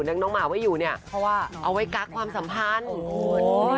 น้องหมาไว้อยู่เนี่ยเพราะว่าเอาไว้กักความสัมพันธ์คุณ